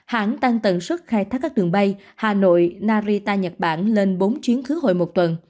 hãng tăng tần suất khai thác các đường bay hà nội narita nhật bản lên bốn chuyến khứ hồi một tuần